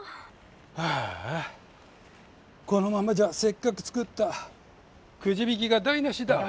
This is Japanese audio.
ああこのままじゃせっかく作ったクジ引きがだいなしだ！